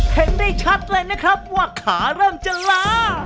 เห็นได้ชัดเลยนะครับว่าขาเริ่มจะล้า